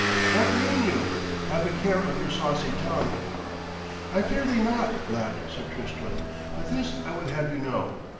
'What mean you? Have a care of your saucy tongue.' 'I fear thee not,' laughed Sir Tristram, 'but this I would have you know.